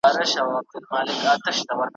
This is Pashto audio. هر کورته امن ور رسېدلی `